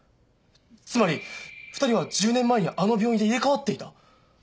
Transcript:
つまり２人は１０年前にあの病院で入れ替わっていた。